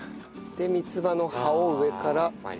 で三つ葉の葉を上から。